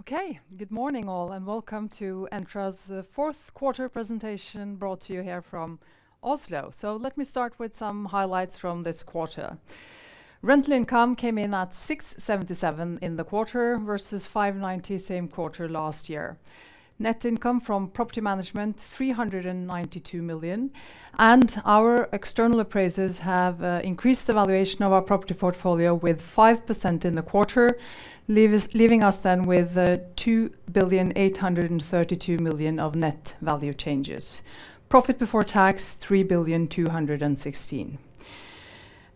Okay. Good morning, all, and welcome to Entra's fourth quarter presentation brought to you here from Oslo. Let me start with some highlights from this quarter. Rental income came in at 677 million in the quarter versus 590 million same quarter last year. Net income from property management, 392 million. Our external appraisers have increased the valuation of our property portfolio with 5% in the quarter, leaving us then with 2.832 billion of net value changes. Profit before tax, 3.216 billion.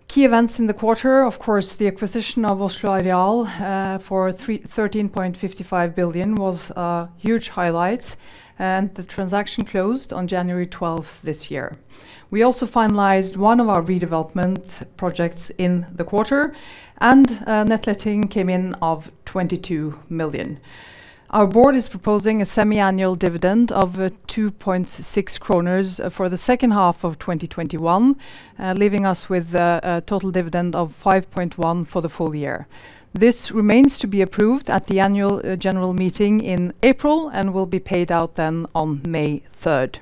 Key events in the quarter, of course, the acquisition of Oslo Areal for 13.55 billion was a huge highlight, and the transaction closed on January 12th this year. We also finalized one of our redevelopment projects in the quarter, and net letting came in of 22 million. Our board is proposing a semi-annual dividend of 2.6 kroner for the second half of 2021, leaving us with a total dividend of 5.1 for the full year. This remains to be approved at the annual general meeting in April and will be paid out then on May third.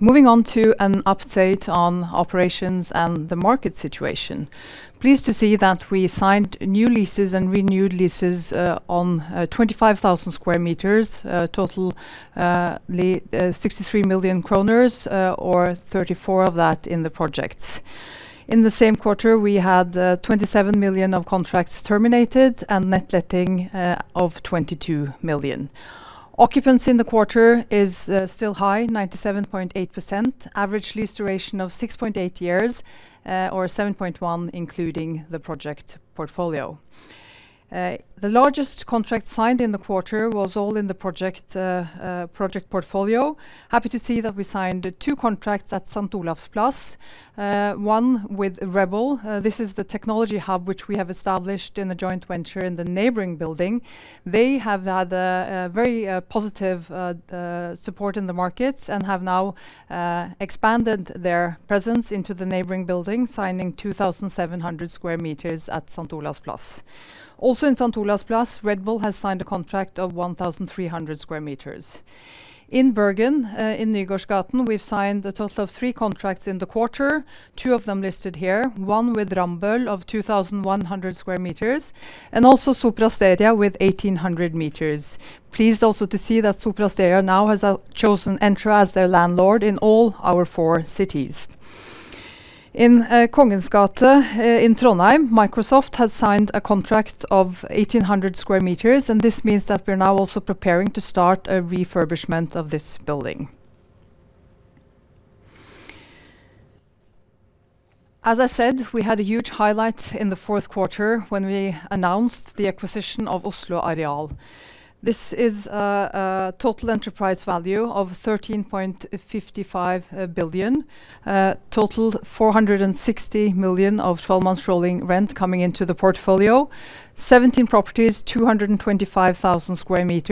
Moving on to an update on operations and the market situation. Pleased to see that we signed new leases and renewed leases on 25,000 sq m total, 63 million kroner, or 34 million of that in the projects. In the same quarter, we had 27 million of contracts terminated and net letting of 22 million. Occupancy in the quarter is still high, 97.8%. Average lease duration of 6.8 years or 7.1 including the project portfolio. The largest contract signed in the quarter was also in the project portfolio. Happy to see that we signed two contracts at St. Olavs plass, one with Rebel. This is the technology hub which we have established in a joint venture in the neighboring building. They have had a very positive support in the markets and have now expanded their presence into the neighboring building, signing 2,700 sq m at St. Olavs plass. Also in St. Olavs plass, Red Bull has signed a contract of 1,300 sq m. In Bergen, in Nygårdsgaten, we've signed a total of three contracts in the quarter, two of them listed here, one with Ramboll of 2,100 sq m, and also Sopra Steria with 1,800 sq m. Pleased also to see that Sopra Steria now has chosen Entra as their landlord in all our four cities. In Kongens Gate in Trondheim, Microsoft has signed a contract of 1,800 sq m, and this means that we're now also preparing to start a refurbishment of this building. As I said, we had a huge highlight in the fourth quarter when we announced the acquisition of Oslo Areal. This is a total enterprise value of 13.55 billion. Total 460 million of 12 months rolling rent coming into the portfolio. 17 properties, 225,000 sq m,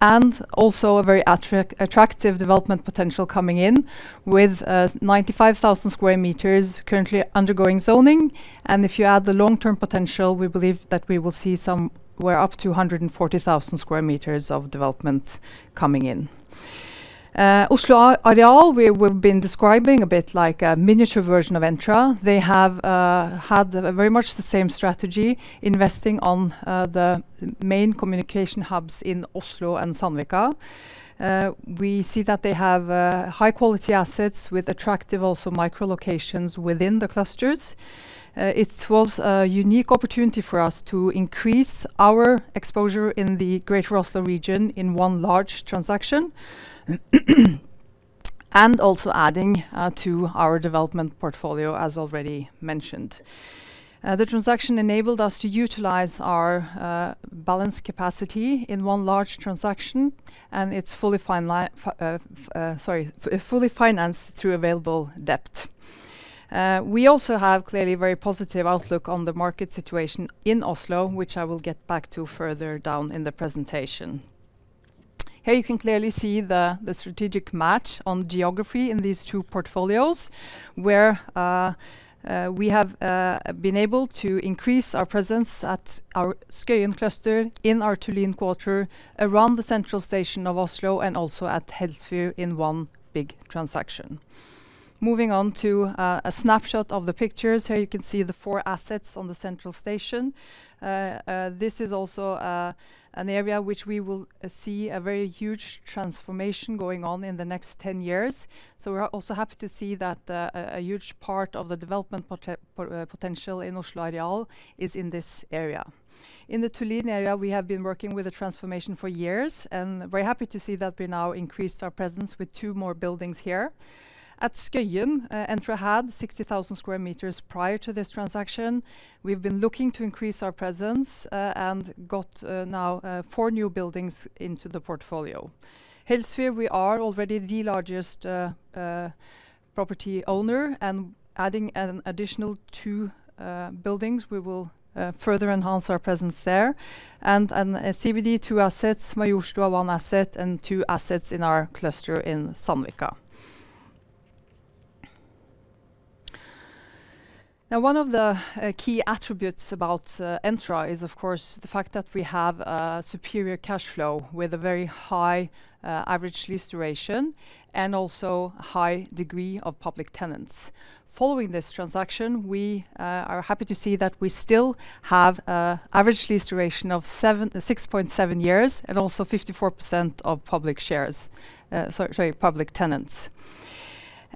and also a very attractive development potential coming in with 95,000 sq m currently undergoing zoning. If you add the long-term potential, we believe that we will see somewhere up to 140,000 sq m of development coming in. Oslo Areal, we've been describing a bit like a miniature version of Entra. They have had very much the same strategy, investing on the main communication hubs in Oslo and Sandvika. We see that they have high quality assets with attractive also micro locations within the clusters. It was a unique opportunity for us to increase our exposure in the Greater Oslo region in one large transaction, and also adding to our development portfolio as already mentioned. The transaction enabled us to utilize our balance capacity in one large transaction, and it's fully financed through available debt. We also have clearly very positive outlook on the market situation in Oslo, which I will get back to further down in the presentation. Here you can clearly see the strategic match on geography in these two portfolios, where we have been able to increase our presence at our Skøyen cluster in our Tullin quarter around the Central Station of Oslo and also at Helsfyr in one big transaction. Moving on to a snapshot of the pictures. Here you can see the four assets on the Central Station. This is also an area which we will see a very huge transformation going on in the next 10 years. We're also happy to see that a huge part of the development potential in Oslo Areal is in this area. In the Tullin area, we have been working with the transformation for years, and we're happy to see that we now increased our presence with two more buildings here. At Skøyen, Entra had 60,000 sq m prior to this transaction. We've been looking to increase our presence and got now four new buildings into the portfolio. Helsfyr, we are already the largest property owner, and adding an additional two buildings, we will further enhance our presence there. CBD, two assets, Majorstua, one asset, and two assets in our cluster in Sandvika. Now one of the key attributes about Entra is, of course, the fact that we have superior cash flow with a very high average lease duration and also high degree of public tenants. Following this transaction, we are happy to see that we still have average lease duration of 6.7 years and also 54% public tenants.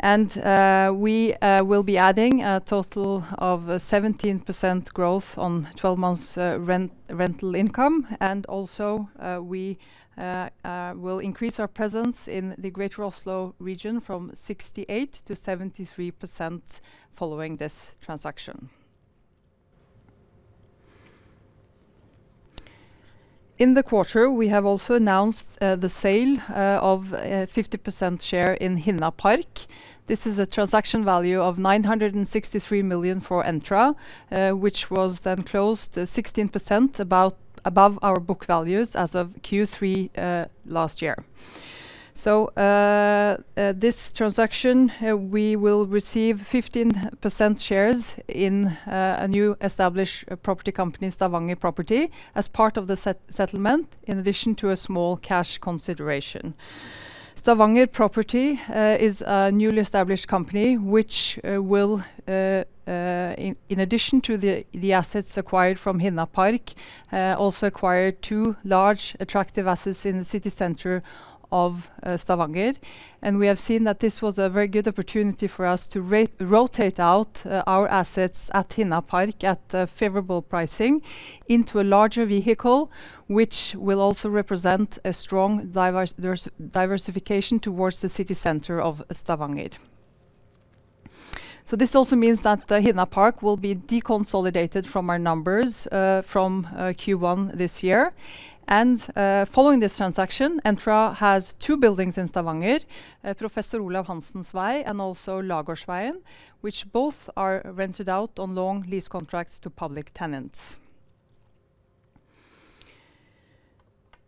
We will be adding a total of 17% growth on 12 months rental income. Also, we will increase our presence in the Greater Oslo region from 68% to 73% following this transaction. In the quarter, we have also announced the sale of a 50% share in Hinna Park. This is a transaction value of 963 million for Entra, which was then closed 16% above our book values as of Q3 last year. This transaction, we will receive 15% shares in a newly established property company, SVG Property, as part of the settlement in addition to a small cash consideration. SVG Property is a newly established company which will, in addition to the assets acquired from Hinna Park, also acquire two large attractive assets in the city center of Stavanger. We have seen that this was a very good opportunity for us to rotate out our assets at Hinna Park at favorable pricing into a larger vehicle, which will also represent a strong diversification towards the city center of Stavanger. This also means that the Hinna Park will be deconsolidated from our numbers from Q1 this year. Following this transaction, Entra has two buildings in Stavanger, Professor Olav Hanssens Vei, and also Lagårdsveien, which both are rented out on long lease contracts to public tenants.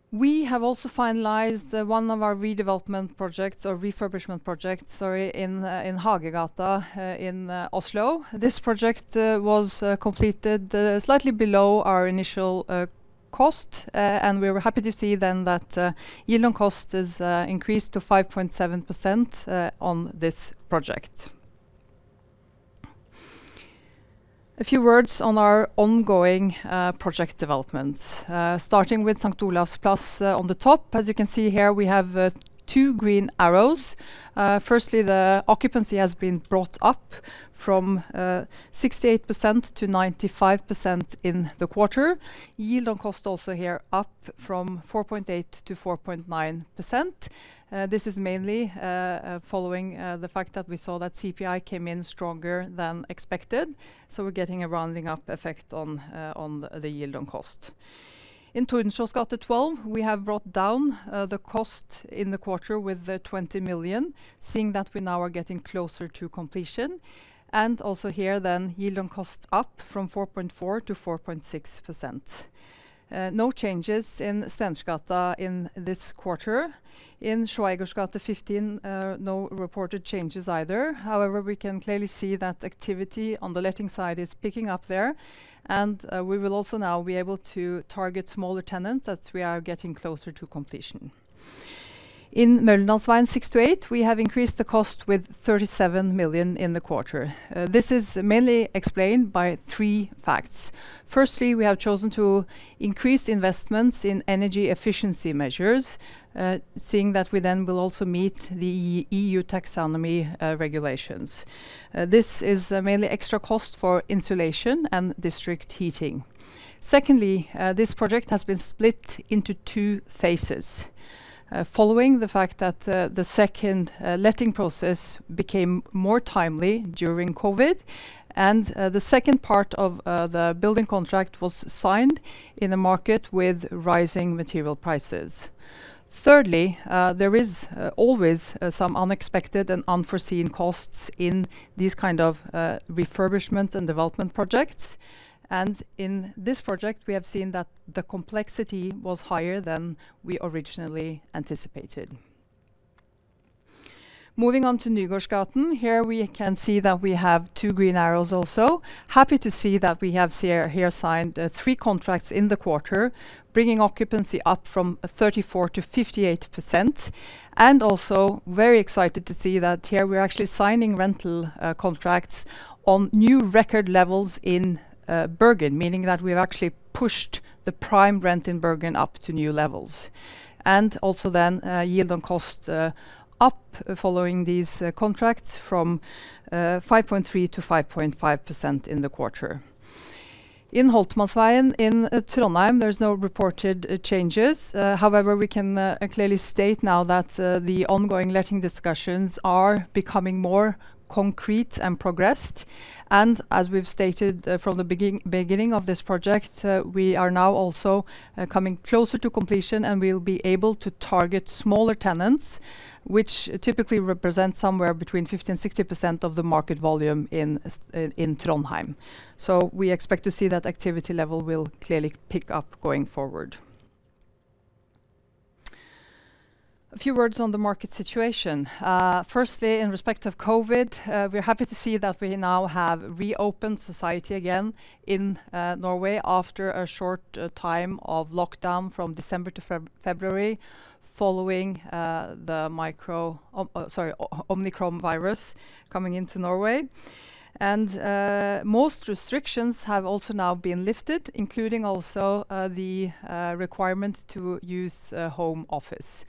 We have also finalized one of our redevelopment projects or refurbishment projects, sorry, in Hagegata in Oslo. This project was completed slightly below our initial cost. We were happy to see then that yield on cost is increased to 5.7% on this project. A few words on our ongoing project developments. Starting with St. Olavs plass on the top. As you can see here, we have two green arrows. Firstly, the occupancy has been brought up from 68% to 95% in the quarter. Yield on cost also here up from 4.8% to 4.9%. This is mainly following the fact that we saw that CPI came in stronger than expected, so we're getting a rounding up effect on the yield on cost. In Tordenskiolds gate 12, we have brought down the cost in the quarter with 20 million, seeing that we now are getting closer to completion. Also here then, yield on cost up from 4.4% to 4.6%. No changes in Stensberggata in this quarter. In Schweigaards gate 15, no reported changes either. However, we can clearly see that activity on the letting side is picking up there, and we will also now be able to target smaller tenants as we are getting closer to completion. In Møllendalsveien 6-8, we have increased the cost with 37 million in the quarter. This is mainly explained by three facts. Firstly, we have chosen to increase investments in energy efficiency measures, seeing that we then will also meet the EU taxonomy regulations. This is mainly extra cost for insulation and district heating. Secondly, this project has been split into two phases. Following the fact that the second letting process became more timely during COVID and the second part of the building contract was signed in a market with rising material prices. Thirdly, there is always some unexpected and unforeseen costs in these kind of refurbishment and development projects. In this project, we have seen that the complexity was higher than we originally anticipated. Moving on to Nygårdsgaten. Here we can see that we have two green arrows also. Happy to see that we have signed here three contracts in the quarter, bringing occupancy up from 34%-58%. Very excited to see that here we're actually signing rental contracts on new record levels in Bergen, meaning that we've actually pushed the prime rent in Bergen up to new levels. Yield on cost up following these contracts from 5.3%-5.5% in the quarter. In Holtermannsveien in Trondheim, there's no reported changes. However, we can clearly state now that the ongoing letting discussions are becoming more concrete and progressed. As we've stated from the beginning of this project, we are now also coming closer to completion, and we'll be able to target smaller tenants, which typically represent somewhere between 50% and 60% of the market volume in Trondheim. We expect to see that activity level will clearly pick up going forward. A few words on the market situation. Firstly, in respect of COVID, we're happy to see that we now have reopened society again in Norway after a short time of lockdown from December to February following the Omicron virus coming into Norway. Most restrictions have also now been lifted, including the requirement to use home office.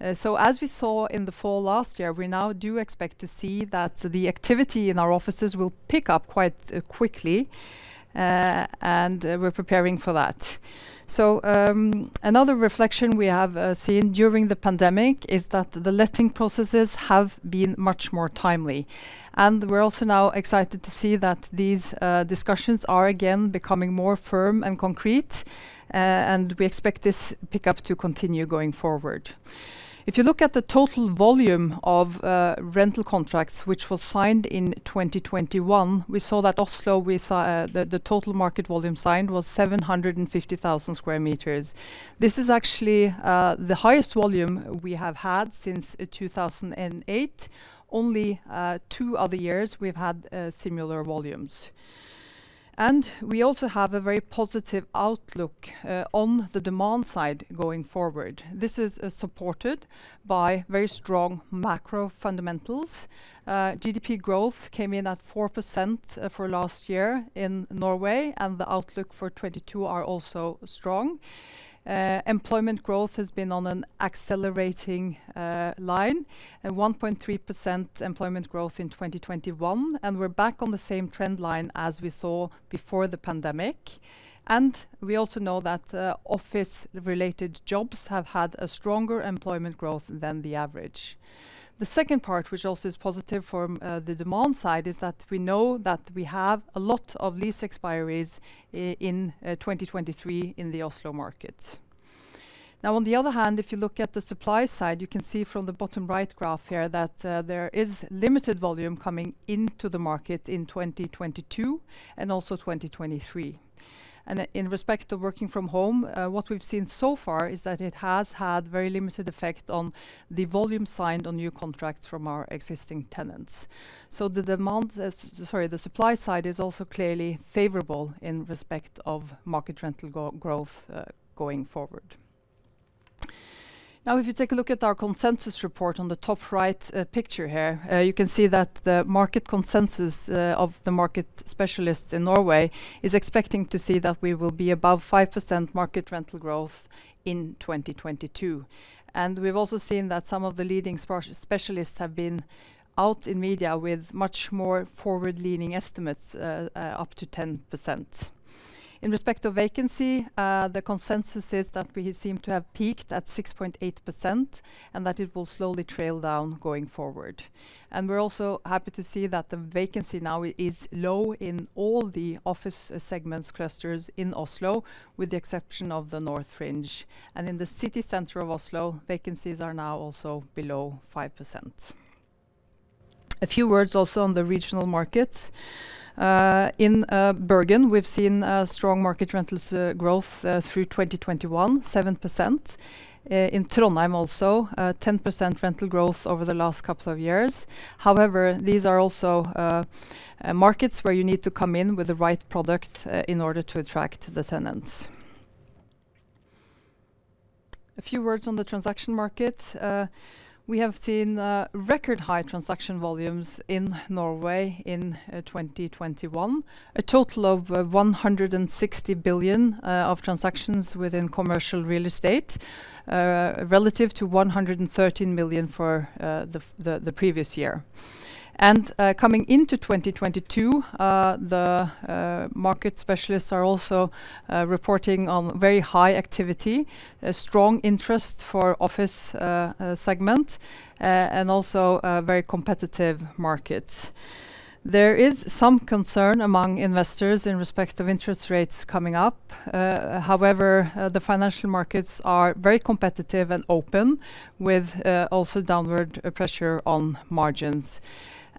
As we saw in the fall last year, we now do expect to see that the activity in our offices will pick up quite quickly, and we're preparing for that. Another reflection we have seen during the pandemic is that the letting processes have been much more timely. We're also now excited to see that these discussions are again becoming more firm and concrete, and we expect this pickup to continue going forward. If you look at the total volume of rental contracts which was signed in 2021, we saw that in Oslo the total market volume signed was 750,000 sq m. This is actually the highest volume we have had since 2008. Only two other years we've had similar volumes. We also have a very positive outlook on the demand side going forward. This is supported by very strong macro fundamentals. GDP growth came in at 4% for last year in Norway, and the outlook for 2022 are also strong. Employment growth has been on an accelerating line, and 1.3% employment growth in 2021, and we're back on the same trend line as we saw before the pandemic. We also know that office-related jobs have had a stronger employment growth than the average. The second part, which also is positive for the demand side, is that we know that we have a lot of lease expiries in 2023 in the Oslo market. Now, on the other hand, if you look at the supply side, you can see from the bottom right graph here that there is limited volume coming into the market in 2022 and also 2023. In respect to working from home, what we've seen so far is that it has had very limited effect on the volume signed on new contracts from our existing tenants. The demand, the supply side is also clearly favorable in respect of market rental growth going forward. Now, if you take a look at our consensus report on the top right picture here, you can see that the market consensus of the market specialists in Norway is expecting to see that we will be above 5% market rental growth in 2022. We've also seen that some of the leading property specialists have been out in media with much more forward-leaning estimates, up to 10%. In respect to vacancy, the consensus is that we seem to have peaked at 6.8%, and that it will slowly trail down going forward. We're also happy to see that the vacancy now is low in all the office segments clusters in Oslo, with the exception of the North Fringe. In the city center of Oslo, vacancies are now also below 5%. A few words also on the regional markets. In Bergen, we've seen a strong market rental growth through 2021, 7%. In Trondheim also, 10% rental growth over the last couple of years. However, these are also markets where you need to come in with the right product in order to attract the tenants. A few words on the transaction market. We have seen record high transaction volumes in Norway in 2021. A total of 160 billion of transactions within commercial real estate relative to 113 million for the previous year. Coming into 2022, the market specialists are also reporting on very high activity, a strong interest for office segment, and also a very competitive market. There is some concern among investors in respect of interest rates coming up. However, the financial markets are very competitive and open with also downward pressure on margins.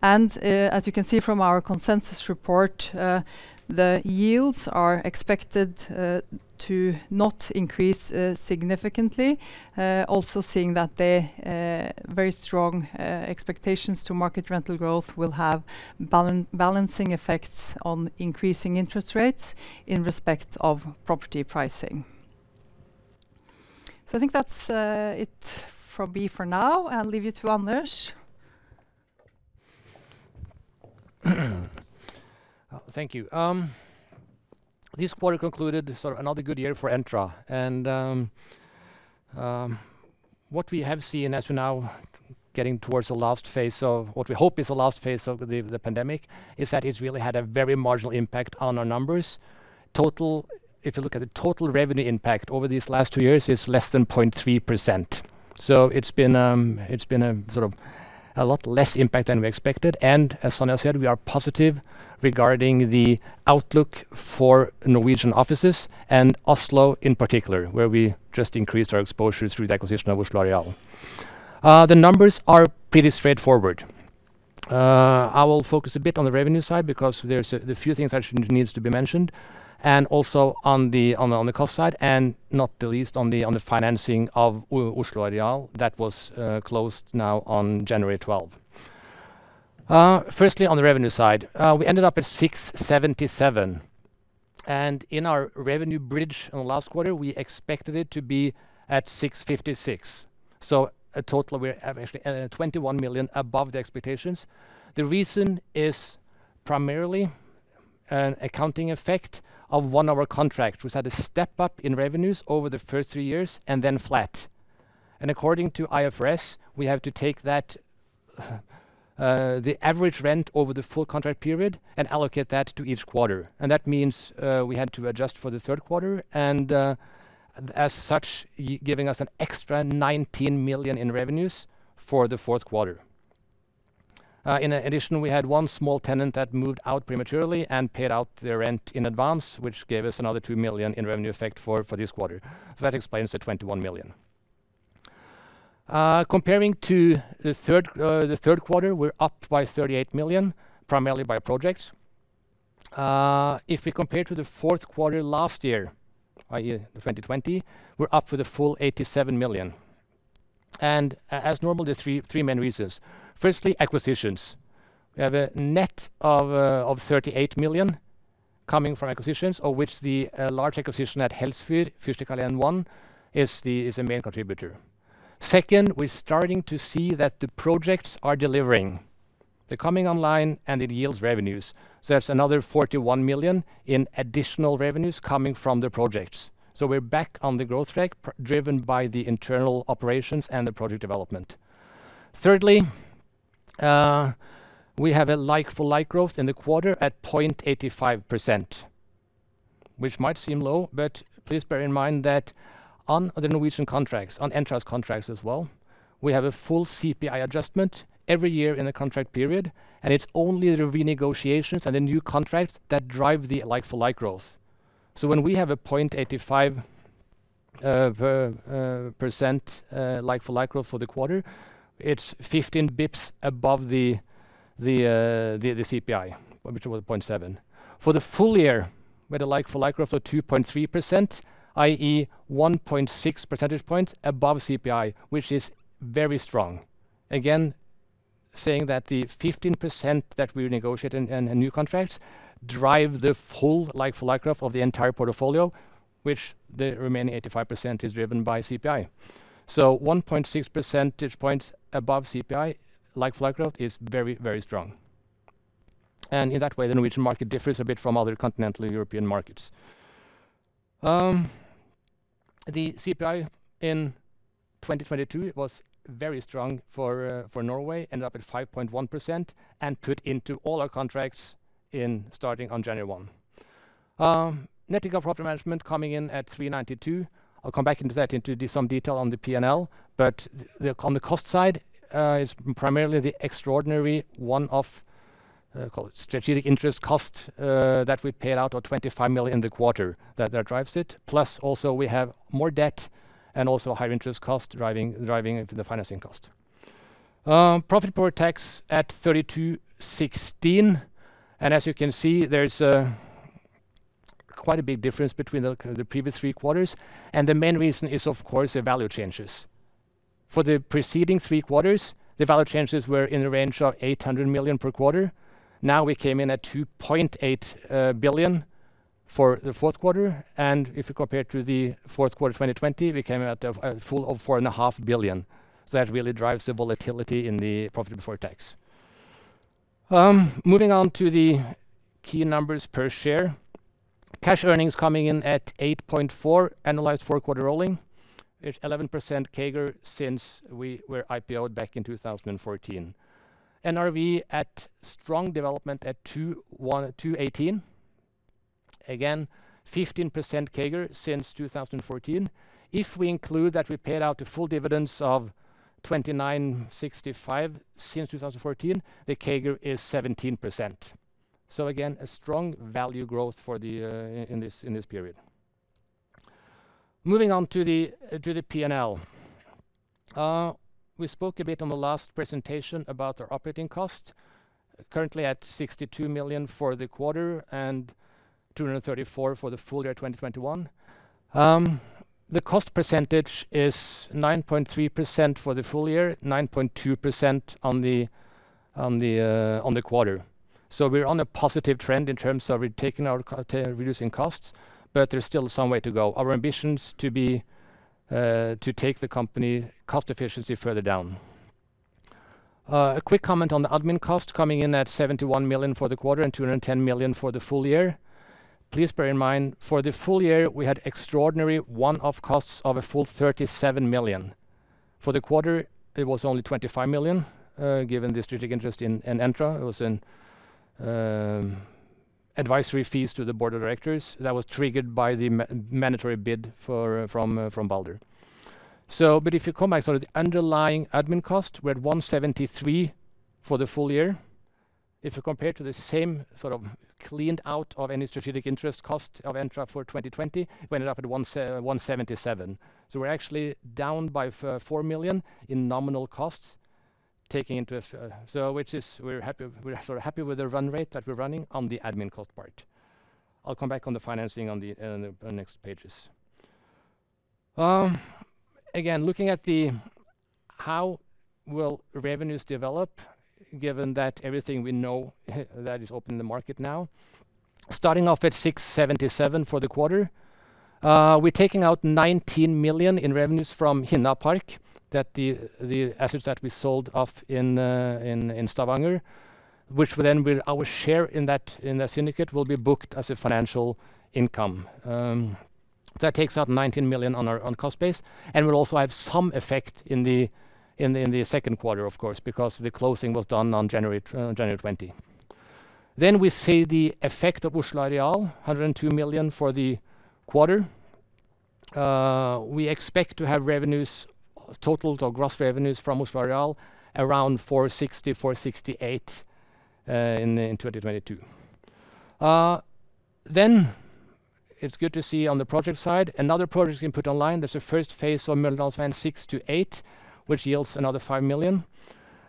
As you can see from our consensus report, the yields are expected to not increase significantly, also seeing that the very strong expectations to market rental growth will have balancing effects on increasing interest rates in respect of property pricing. I think that's it from me for now. I'll leave you to Anders. Thank you. This quarter concluded sort of another good year for Entra. What we have seen as we're now getting towards the last phase of what we hope is the last phase of the pandemic is that it's really had a very marginal impact on our numbers. If you look at the total revenue impact over these last two years, it's less than 0.3%. It's been a sort of a lot less impact than we expected. As Sonja said, we are positive regarding the outlook for Norwegian offices and Oslo in particular, where we just increased our exposure through the acquisition of Oslo Areal. The numbers are pretty straightforward. I will focus a bit on the revenue side because there's a few things that needs to be mentioned, and also on the cost side, and not the least on the financing of Oslo Areal that was closed now on January 12. Firstly, on the revenue side. We ended up at 677 million, and in our revenue bridge on the last quarter, we expected it to be at 656 million. A total we have actually 21 million above the expectations. The reason is primarily an accounting effect of one of our contract which had a step-up in revenues over the first three years and then flat. According to IFRS, we have to take that the average rent over the full contract period and allocate that to each quarter. That means we had to adjust for the third quarter, and as such giving us an extra 19 million in revenues for the fourth quarter. In addition, we had one small tenant that moved out prematurely and paid out their rent in advance, which gave us another 2 million in revenue effect for this quarter. So that explains the 21 million. Comparing to the third quarter, we're up by 38 million, primarily by projects. If we compare to the fourth quarter last year, i.e., 2020, we're up for the full 87 million. As normal, there are three main reasons. Firstly, acquisitions. We have a net of 38 million coming from acquisitions, of which the large acquisition at Helsfyr, Fyrstikkalléen 1 is the main contributor. Second, we're starting to see that the projects are delivering. They're coming online and it yields revenues. That's another 41 million in additional revenues coming from the projects. We're back on the growth track driven by the internal operations and the project development. Thirdly, we have a like-for-like growth in the quarter at 0.85%, which might seem low, but please bear in mind that on the Norwegian contracts, on Entra's contracts as well, we have a full CPI adjustment every year in the contract period, and it's only the renegotiations and the new contracts that drive the like-for-like growth. When we have a 0.85% like-for-like growth for the quarter, it's 15 BPS above the CPI, which was 0.7%. For the full year, with the like-for-like growth of 2.3%, i.e., 1.6 percentage points above CPI, which is very strong. Again, saying that the 15% that we negotiate in new contracts drive the full like-for-like growth of the entire portfolio, which the remaining 85% is driven by CPI. One point six percentage points above CPI, like-for-like growth is very, very strong. In that way, the Norwegian market differs a bit from other Continental European markets. The CPI in 2022 was very strong for Norway, ended up at 5.1% and put into all our contracts starting on January 1. Net income from property management coming in at 392 million. I'll come back to that in some detail on the P&L. On the cost side, is primarily the extraordinary one of strategic interest cost that we paid out of 25 million in the quarter that drives it. Plus, also, we have more debt and also higher interest cost driving the financing cost. Profit before tax at 32.16 million. As you can see, there's quite a big difference between the previous three quarters. The main reason is, of course, the value changes. For the preceding three quarters, the value changes were in the range of 800 million per quarter. Now we came in at 2.8 billion for the fourth quarter. If you compare it to the fourth quarter of 2020, we came in at 4.5 billion. That really drives the volatility in the profit before tax. Moving on to the key numbers per share. Cash earnings coming in at 8.4, annualized four-quarter rolling. It's 11% CAGR since we were IPO-ed back in 2014. NRV at strong development at 218. Again, 15% CAGR since 2014. If we include that we paid out the full dividends of 29.65 since 2014, the CAGR is 17%. Again, a strong value growth in this period. Moving on to the P&L. We spoke a bit on the last presentation about our operating cost, currently at 62 million for the quarter and 234 million for the full year 2021. The cost percentage is 9.3% for the full year, 9.2% on the quarter. We're on a positive trend in terms of we're reducing costs, but there's still some way to go. Our ambition is to take the company cost efficiency further down. A quick comment on the admin cost coming in at 71 million for the quarter and 210 million for the full year. Please bear in mind, for the full year, we had extraordinary one-off costs of a full 37 million. For the quarter, it was only 25 million, given the strategic interest in Entra. It was advisory fees to the board of directors that was triggered by the mandatory bid from Balder. If you come back sort of the underlying admin cost, we're at 173 million for the full year. If you compare to the same sort of cleaned out of any strategic interest cost of Entra for 2020, we ended up at one seventy-seven. We're actually down by 4 million in nominal costs taking into effect. Which is we're happy, we're sort of happy with the run rate that we're running on the admin cost part. I'll come back on the financing on the next pages. Again, looking at how revenues will develop given that everything we know that is open in the market now. Starting off at 677 for the quarter, we're taking out 19 million in revenues from Hinna Park, the assets that we sold off in Stavanger, which will then be our share in that syndicate will be booked as a financial income. That takes out 19 million on our cost base and will also have some effect in the second quarter, of course, because the closing was done on January 20. We see the effect of Oslo Areal, 102 million for the quarter. We expect to have revenues total or gross revenues from Oslo Areal around 460-468 in 2022. It's good to see on the project side, another project has been put online. There's a first phase on Møllendalsveien 6-8, which yields another 5 million.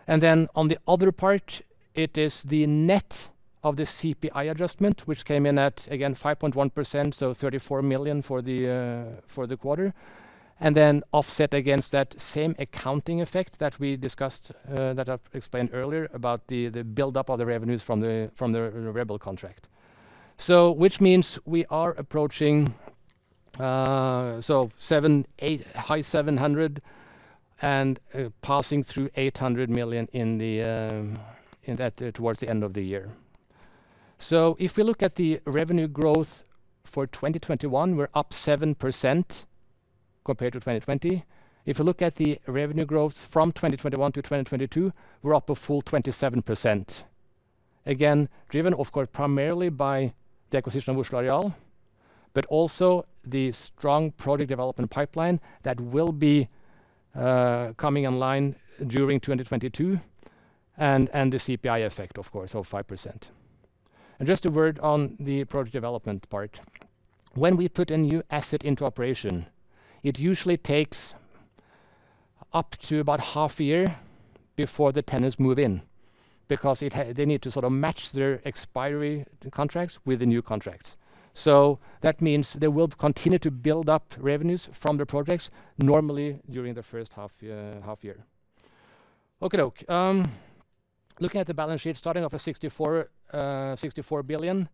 Then on the other part, it is the net of the CPI adjustment, which came in at, again, 5.1%, so 34 million for the quarter. Then offset against that same accounting effect that we discussed, that I've explained earlier about the build-up of the revenues from the Rebel contract. Which means we are approaching, so 7, 8, high 700 and passing through 800 million in that towards the end of the year. If you look at the revenue growth for 2021, we're up 7% compared to 2020. If you look at the revenue growth from 2021 to 2022, we're up a full 27%. Again, driven of course primarily by the acquisition of Oslo Areal, but also the strong project development pipeline that will be coming online during 2022 and the CPI effect, of course, of 5%. Just a word on the project development part. When we put a new asset into operation, it usually takes up to about half year before the tenants move in because they need to sort of match their expiry contracts with the new contracts. So that means they will continue to build up revenues from the projects normally during the first half year. Okey-doke. Looking at the balance sheet, starting off at 64 billion,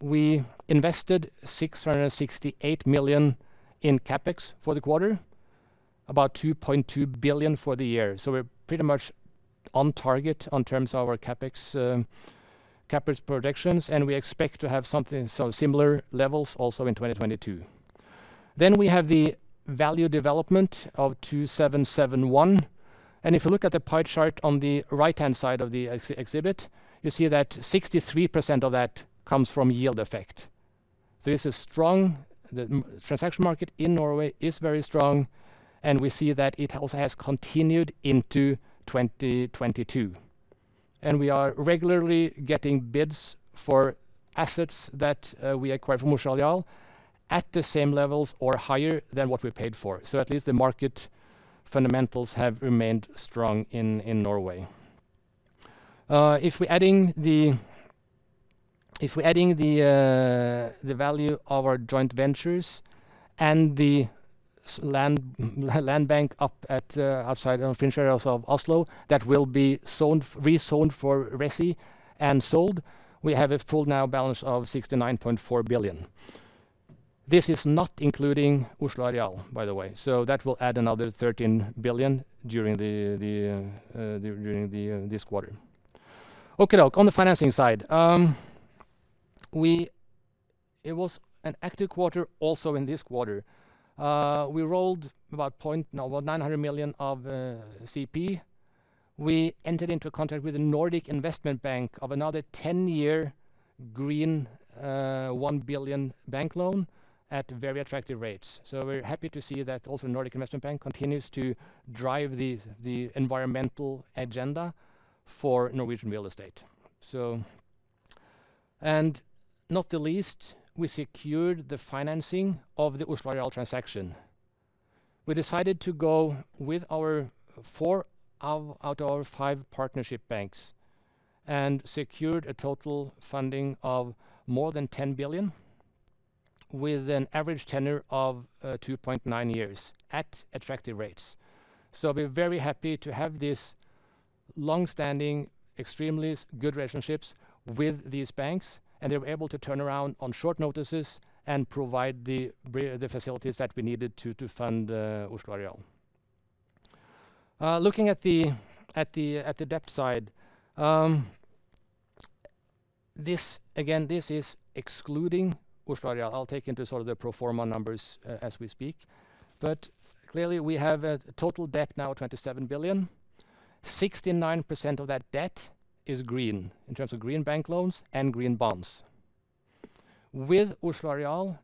we invested 668 million in CapEx for the quarter, about 2.2 billion for the year. We're pretty much on target in terms of our CapEx projections, and we expect to have some similar levels also in 2022. We have the value development of 2771. If you look at the pie chart on the right-hand side of the exhibit, you see that 63% of that comes from yield effect. The transaction market in Norway is very strong, and we see that it also has continued into 2022. We are regularly getting bids for assets that we acquired from Oslo Areal at the same levels or higher than what we paid for. At least the market fundamentals have remained strong in Norway. If we're adding the value of our joint ventures and the land bank up at outside of Filipstad of Oslo that will be resold for resi and sold, we have a full now balance of 69.4 billion. This is not including Oslo Areal, by the way, so that will add another 13 billion during this quarter. Okey-doke. On the financing side, it was an active quarter also in this quarter. We rolled about 900 million of CP. We entered into a contract with the Nordic Investment Bank of another ten-year green one billion bank loan at very attractive rates. So we're happy to see that also Nordic Investment Bank continues to drive the environmental agenda for Norwegian real estate. Not the least, we secured the financing of the Oslo Areal transaction. We decided to go with our four out of our five partnership banks and secured a total funding of more than 10 billion with an average tenure of 2.9 years at attractive rates. We're very happy to have this long-standing, extremely good relationships with these banks, and they were able to turn around on short notices and provide the facilities that we needed to fund Oslo Areal. Looking at the debt side, this, again, is excluding Oslo Areal. I'll take into sort of the pro forma numbers as we speak. Clearly, we have a total debt now of 27 billion. 69% of that debt is green in terms of green bank loans and green bonds. With Oslo Areal,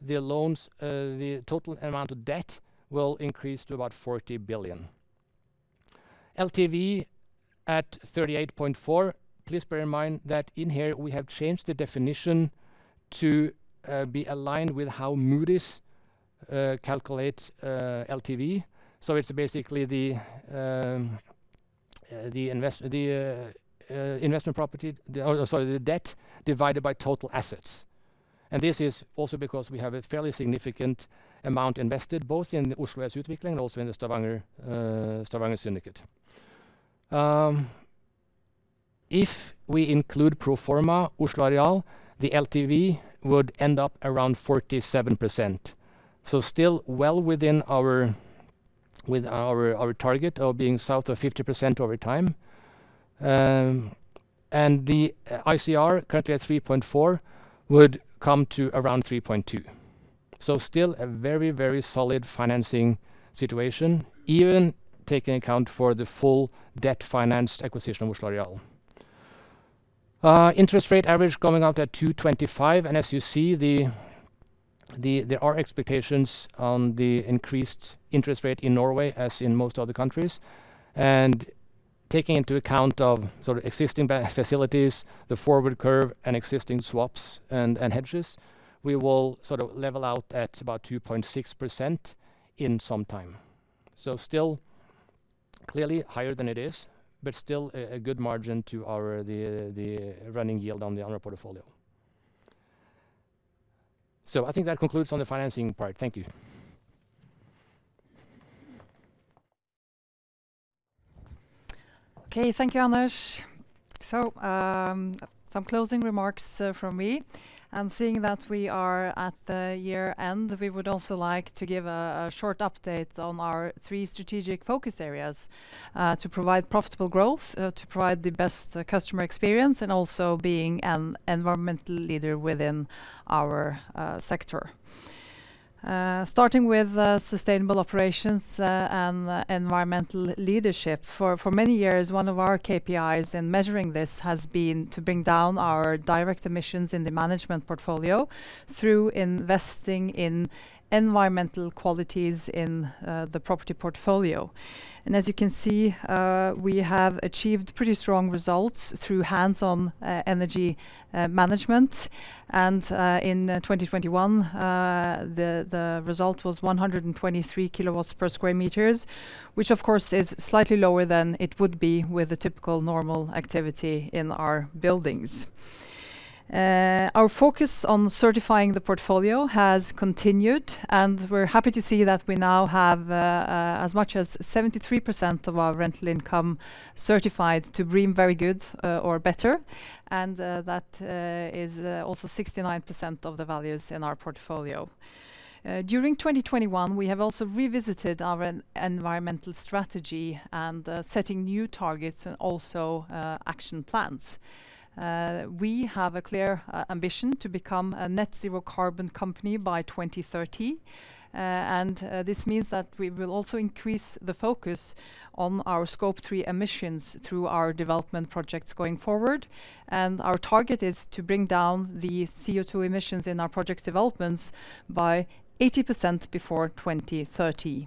the loans, the total amount of debt will increase to about 40 billion. LTV at 38.4%. Please bear in mind that in here we have changed the definition to be aligned with how Moody's calculates LTV. It's basically the debt divided by total assets. This is also because we have a fairly significant amount invested both in the Oslo [inaudible] and also in the Stavanger Syndicate. If we include pro forma Oslo Areal, the LTV would end up around 47%. Still well within our target of being south of 50% over time. The ICR currently at 3.4 would come to around 3.2. Still a very, very solid financing situation, even taking into account the full debt-financed acquisition of Oslo Areal. Interest rate average going up to 2.25, and as you see, there are expectations on the increased interest rate in Norway, as in most other countries. Taking into account sort of existing bank facilities, the forward curve, and existing swaps and hedges, we will sort of level out at about 2.6% in some time. Still clearly higher than it is, but still a good margin to our running yield on the owner portfolio. I think that concludes on the financing part. Thank you. Okay. Thank you, Anders. Some closing remarks from me. Seeing that we are at the year-end, we would also like to give a short update on our three strategic focus areas, to provide profitable growth, to provide the best customer experience, and also being an environmental leader within our sector. Starting with sustainable operations and environmental leadership. For many years, one of our KPIs in measuring this has been to bring down our direct emissions in the management portfolio through investing in environmental qualities in the property portfolio. As you can see, we have achieved pretty strong results through hands-on energy management. In 2021, the result was 123 kW per sq m, which of course is slightly lower than it would be with a typical normal activity in our buildings. Our focus on certifying the portfolio has continued, and we're happy to see that we now have as much as 73% of our rental income certified to BREEAM Very Good or better, and that is also 69% of the values in our portfolio. During 2021, we have also revisited our environmental strategy and setting new targets and also action plans. We have a clear ambition to become a net zero carbon company by 2030, and this means that we will also increase the focus on our Scope 3 emissions through our development projects going forward. Our target is to bring down the CO2 emissions in our project developments by 80% before 2030.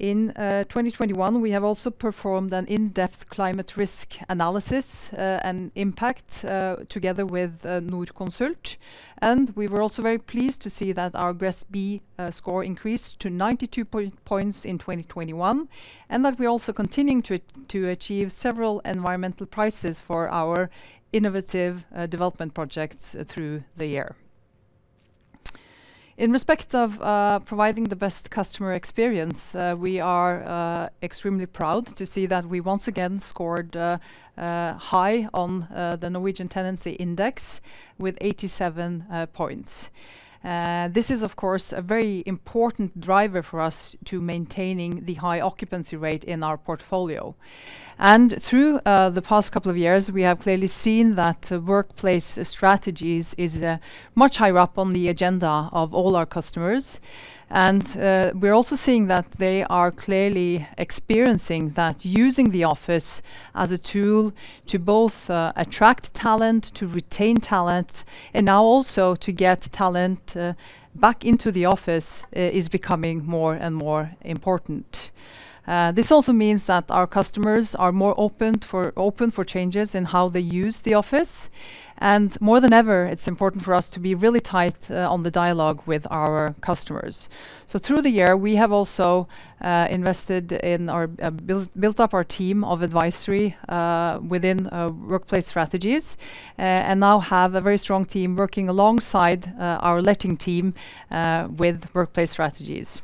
In 2021, we have also performed an in-depth climate risk analysis and impact together with Norconsult. We were also very pleased to see that our GRESB score increased to 92 points in 2021, and that we're also continuing to achieve several environmental prizes for our innovative development projects through the year. In respect of providing the best customer experience, we are extremely proud to see that we once again scored high on the Norwegian Tenant Satisfaction Index with 87 points. This is of course a very important driver for us to maintaining the high occupancy rate in our portfolio. Through the past couple of years, we have clearly seen that workplace strategies is much higher up on the agenda of all our customers. We're also seeing that they are clearly experiencing that using the office as a tool to both attract talent, to retain talent, and now also to get talent back into the office is becoming more and more important. This also means that our customers are more open for changes in how they use the office. More than ever, it's important for us to be really tight on the dialogue with our customers. Through the year, we have also invested in our built up our team of advisory within workplace strategies, and now have a very strong team working alongside our letting team with workplace strategies.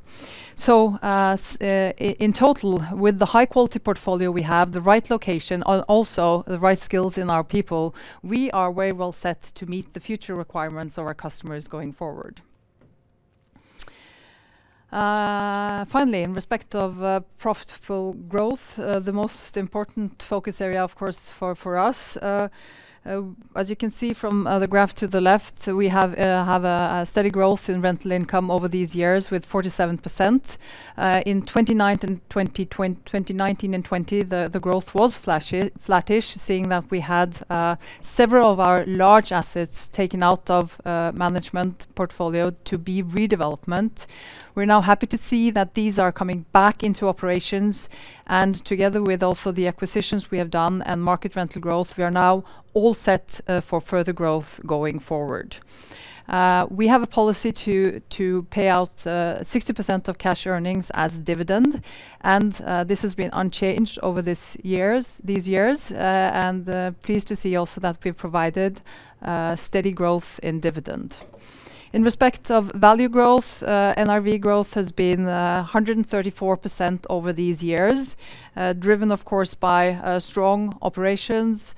In total, with the high quality portfolio we have, the right location, also the right skills in our people, we are very well set to meet the future requirements of our customers going forward. Finally, in respect of profitable growth, the most important focus area, of course, for us, as you can see from the graph to the left, we have a steady growth in rental income over these years with 47%. In 2019 and 2020, the growth was flattish, seeing that we had several of our large assets taken out of management portfolio to be redeveloped. We're now happy to see that these are coming back into operations, and together with also the acquisitions we have done and market rental growth, we are now all set for further growth going forward. We have a policy to pay out 60% of cash earnings as dividend, and this has been unchanged over these years. Pleased to see also that we've provided steady growth in dividend. In respect of value growth, NRV growth has been 134% over these years, driven of course by strong operations,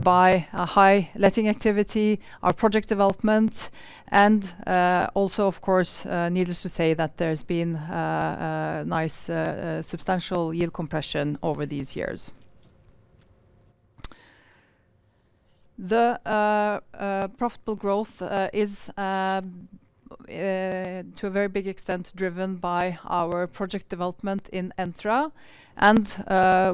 by a high letting activity, our project development, and also, of course, needless to say that there's been a nice substantial yield compression over these years. The profitable growth is to a very big extent driven by our project development in Entra.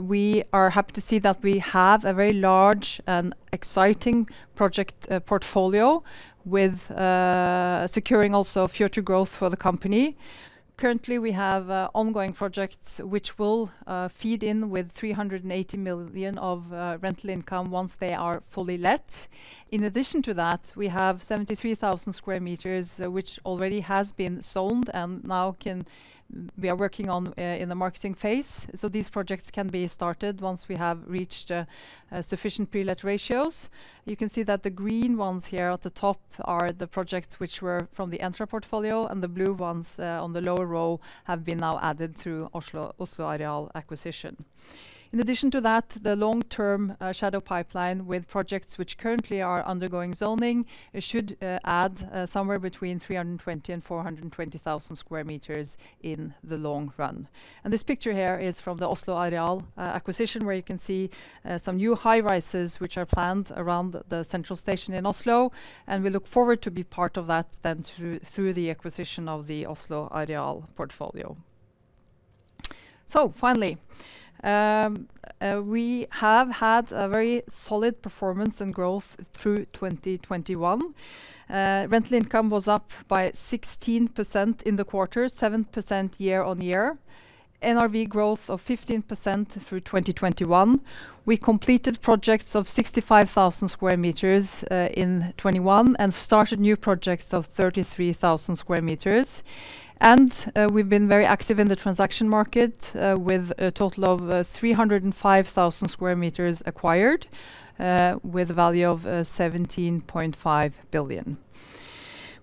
We are happy to see that we have a very large and exciting project portfolio with securing also future growth for the company. Currently, we have ongoing projects which will feed in with 380 million of rental income once they are fully let. In addition to that, we have 73,000 sq m which already has been zoned and now can they're working on in the marketing phase. These projects can be started once we have reached sufficient pre-let ratios. You can see that the green ones here at the top are the projects which were from the Entra portfolio, and the blue ones on the lower row have been now added through Oslo Areal acquisition. In addition to that, the long-term shadow pipeline with projects which currently are undergoing zoning should add somewhere between 320,000 and 420,000 sq m in the long run. This picture here is from the Oslo Areal acquisition, where you can see some new high-rises which are planned around the central station in Oslo, and we look forward to be part of that then through the acquisition of the Oslo Areal portfolio. Finally, we have had a very solid performance and growth through 2021. Rental income was up by 16% in the quarter, 7% year-over-year. NRV growth of 15% through 2021. We completed projects of 65,000 sq m in 2021 and started new projects of 33,000 sq m. We've been very active in the transaction market, with a total of 305,000 sq m acquired, with a value of 17.5 billion.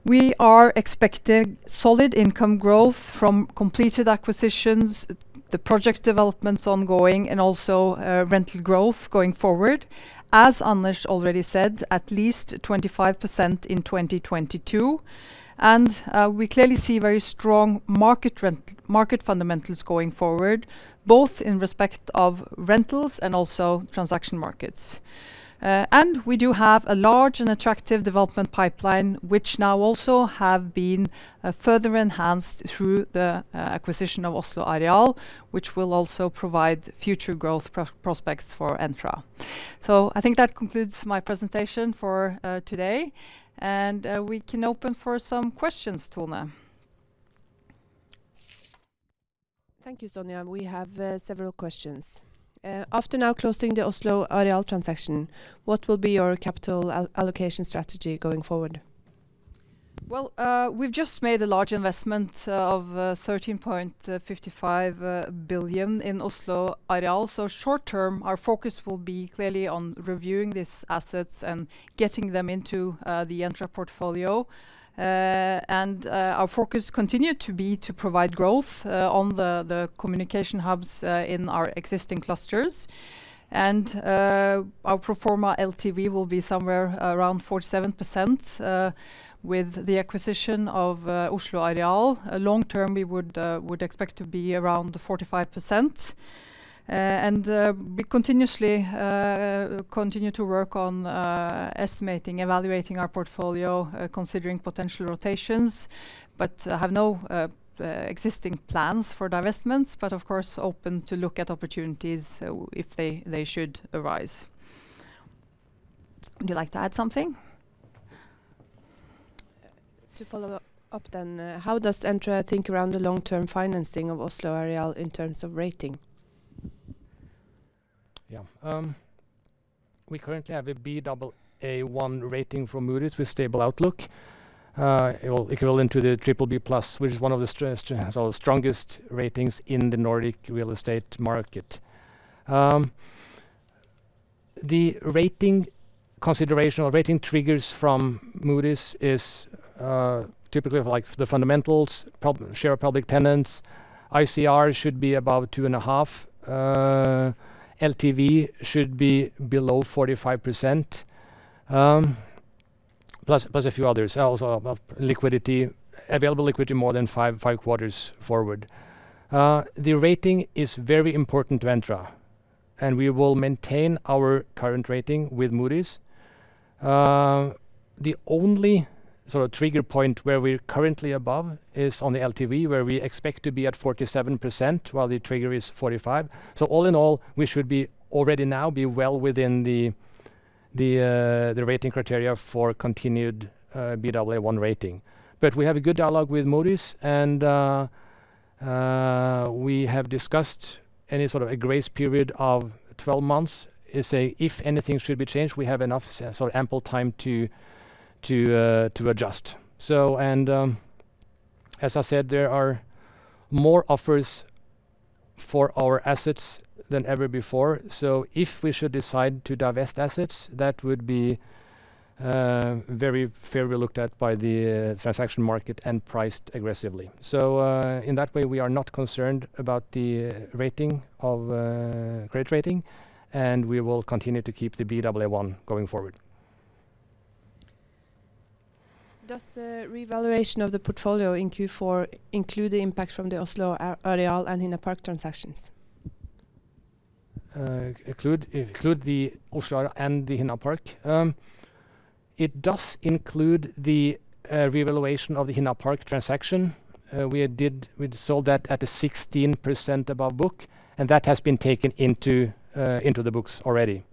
We are expecting solid income growth from completed acquisitions, the project developments ongoing, and also, rental growth going forward. As Anders already said, at least 25% in 2022. We clearly see very strong market fundamentals going forward, both in respect of rentals and also transaction markets. We do have a large and attractive development pipeline, which now also have been further enhanced through the acquisition of Oslo Areal, which will also provide future growth prospects for Entra. I think that concludes my presentation for today. we can open for some questions, Tone. Thank you, Sonja. We have several questions. After now closing the Oslo Areal transaction, what will be your capital allocation strategy going forward? Well, we've just made a large investment of 13.55 billion in Oslo Areal. Short term, our focus will be clearly on reviewing these assets and getting them into the Entra portfolio. Our focus continue to be to provide growth on the communication hubs in our existing clusters. Our pro forma LTV will be somewhere around 47% with the acquisition of Oslo Areal. Long term, we would expect to be around 45%. We continuously continue to work on estimating, evaluating our portfolio, considering potential rotations, but have no existing plans for divestments, but of course, open to look at opportunities so if they should arise. Would you like to add something? To follow up, then, how does Entra think around the long-term financing of Oslo Areal in terms of rating? Yeah. We currently have a Baa1 rating from Moody's with stable outlook. Equal to the BBB+, which is one of the strongest ratings in the Nordic real estate market. The rating consideration or rating triggers from Moody's is typically like the fundamentals, share of public tenants. ICR should be about 2.5. LTV should be below 45%. Plus a few others. Also, liquidity, available liquidity more than five quarters forward. The rating is very important to Entra, and we will maintain our current rating with Moody's. The only sort of trigger point where we're currently above is on the LTV, where we expect to be at 47% while the trigger is 45. All in all, we should already be well within the rating criteria for continued Baa1 rating. We have a good dialogue with Moody's, and we have discussed any sort of a grace period of 12 months. If anything should be changed, we have enough sort of ample time to adjust. As I said, there are more offers for our assets than ever before. If we should decide to divest assets, that would be very favorably looked at by the transaction market and priced aggressively. In that way, we are not concerned about the credit rating, and we will continue to keep the Baa1 going forward. Does the revaluation of the portfolio in Q4 include the impact from the Oslo Areal and Hinna Park transactions? Include the Oslo Areal and the Hinna Park. It does include the revaluation of the Hinna Park transaction. We sold that at 16% above book, and that has been taken into the books already.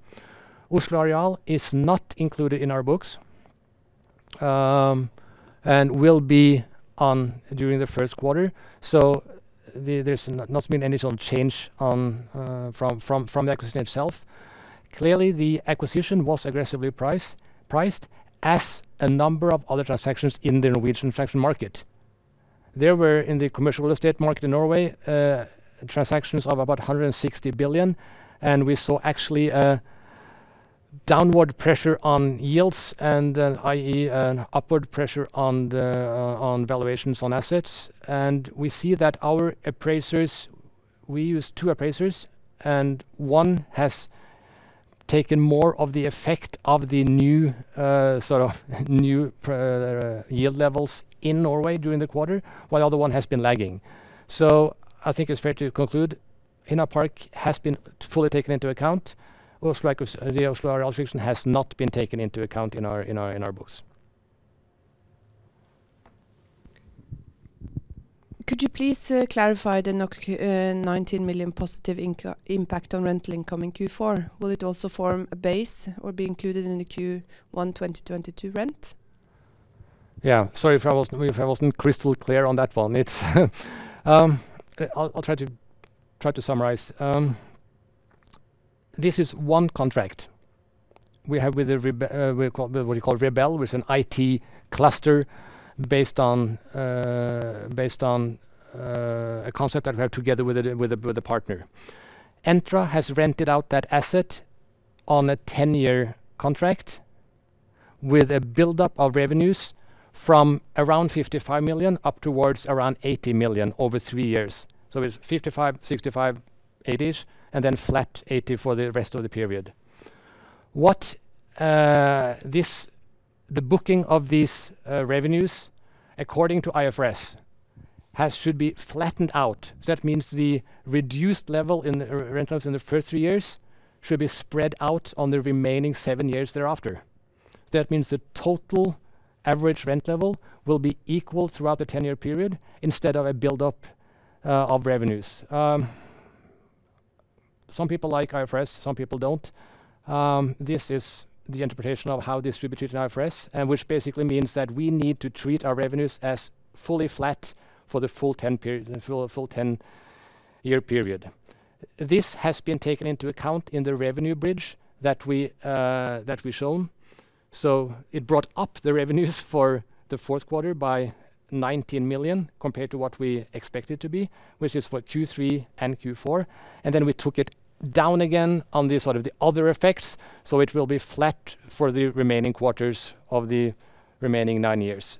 Oslo Areal is not included in our books and will be during the first quarter. There's not been any sort of change from the acquisition itself. Clearly, the acquisition was aggressively priced as a number of other transactions in the Norwegian transaction market. There were in the commercial real estate market in Norway transactions of about 160 billion, and we saw actually a downward pressure on yields and i.e., an upward pressure on the valuations on assets. We see that our appraisers, we use two appraisers, and one has taken more of the effect of the new sort of new yield levels in Norway during the quarter, while the other one has been lagging. I think it's fair to conclude Hinna Park has been fully taken into account. Oslo, the Oslo Areal transaction has not been taken into account in our books. Could you please clarify the 19 million positive impact on rental income in Q4? Will it also form a base or be included in the Q1 2022 rent? Yeah. Sorry if I was, if I wasn't crystal clear on that one. It's. I'll try to summarize. This is one contract we have with Rebel, which is an IT cluster based on a concept that we have together with a partner. Entra has rented out that asset on a 10-year contract with a buildup of revenues from around 55 million up towards around 80 million over three years. It's 55 million, 65 million, 80-ish million, and then flat 80 million for the rest of the period. The booking of these revenues, according to IFRS, should be flattened out. That means the reduced level in the rentals in the first three years should be spread out on the remaining seven years thereafter. That means the total average rent level will be equal throughout the ten-year period instead of a buildup of revenues. Some people like IFRS, some people don't. This is the interpretation of how distributed in IFRS, which basically means that we need to treat our revenues as fully flat for the full ten-year period. This has been taken into account in the revenue bridge that we've shown. It brought up the revenues for the fourth quarter by 19 million compared to what we expect it to be, which is for Q3 and Q4. We took it down again on the sort of the other effects, so it will be flat for the remaining quarters of the remaining nine years.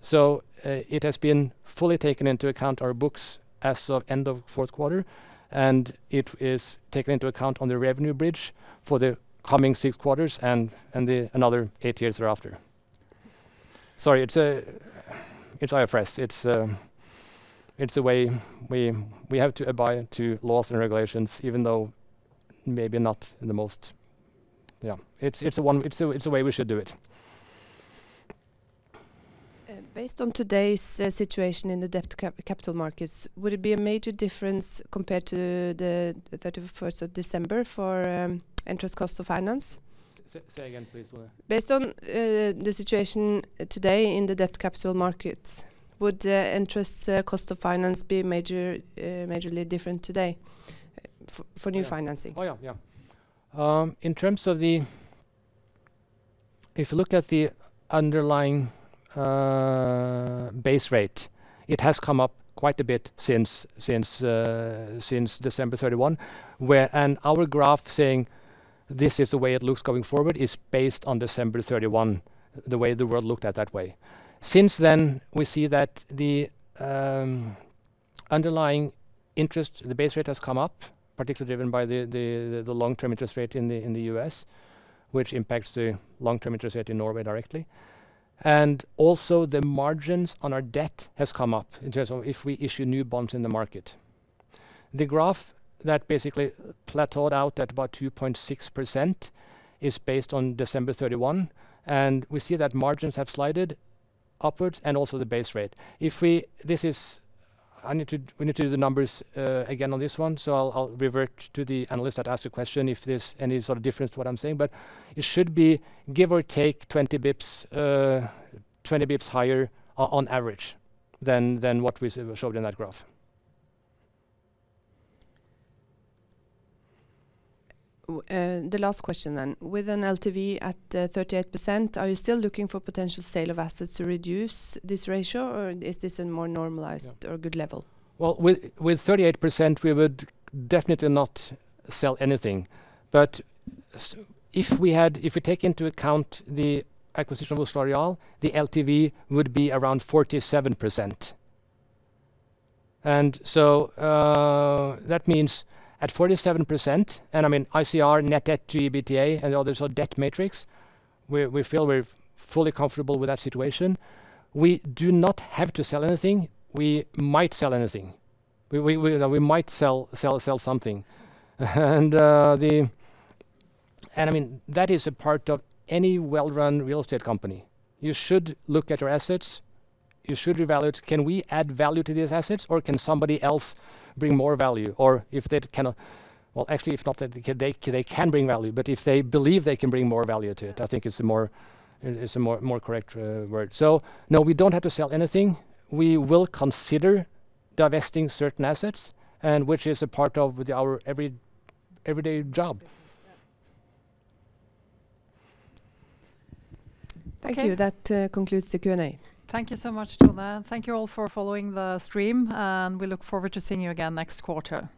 It has been fully taken into account in our books as of the end of the fourth quarter, and it is taken into account on the revenue bridge for the coming six quarters and another eight years thereafter. Sorry, it's IFRS. It's the way we have to abide by laws and regulations, even though maybe not in the most. It's the way we should do it. Based on today's situation in the debt capital markets, would it be a major difference compared to the thirty-first of December for interest cost of finance? Say again, please. Based on the situation today in the debt capital markets, would interest cost of finance be majorly different today for new financing? Oh, yeah. In terms of the. If you look at the underlying base rate, it has come up quite a bit since December 31, and our graph showing this is the way it looks going forward is based on December 31, the way the world looked that day. Since then, we see that the underlying interest, the base rate has come up, particularly driven by the long-term interest rate in the U.S., which impacts the long-term interest rate in Norway directly. Also the margins on our debt has come up in terms of if we issue new bonds in the market. The graph that basically plateaued out at about 2.6% is based on December 31, and we see that margins have slid upwards and also the base rate. We need to do the numbers again on this one, so I'll revert to the analyst that asked the question if there's any sort of difference to what I'm saying, but it should be give or take 20 BPS higher on average than what we showed in that graph. The last question then. With an LTV at 38%, are you still looking for potential sale of assets to reduce this ratio or is this in more normalized or good level? Well, with 38% we would definitely not sell anything. If we take into account the acquisition of Oslo Areal, the LTV would be around 47%. That means at 47%, and I mean ICR, net debt to EBITDA and other sort of debt metrics, we feel we're fully comfortable with that situation. We do not have to sell anything. We might sell anything. We might sell something. I mean, that is a part of any well-run real estate company. You should look at your assets. You should evaluate, can we add value to these assets or can somebody else bring more value? Or if they cannot. Well, actually, if not, they can bring value, but if they believe they can bring more value to it, I think is a more correct word. No, we don't have to sell anything. We will consider divesting certain assets, which is a part of our everyday job. Thank you. That concludes the Q&A. Thank you so much, Tone. Thank you all for following the stream, and we look forward to seeing you again next quarter.